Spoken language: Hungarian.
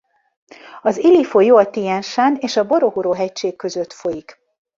Az Ili-folyó a Tien-san és a Borohoro-hegység között folyik.